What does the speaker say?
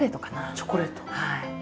チョコレート。